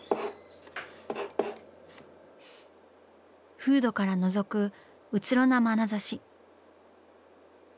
フードからのぞくうつろなまなざし。